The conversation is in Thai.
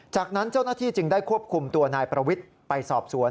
จากนั้นเจ้าหน้าที่จึงได้ควบคุมตัวนายประวิทย์ไปสอบสวน